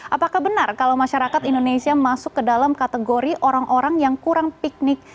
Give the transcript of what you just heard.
apakah benar kalau masyarakat indonesia masuk ke dalam kategori orang orang yang kurang piknik